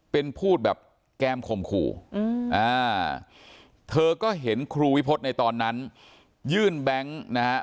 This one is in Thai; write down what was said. เป็นพูดแบบแก้มข่มขู่เธอก็เห็นครูวิพฤษในตอนนั้นยื่นแบงค์นะฮะ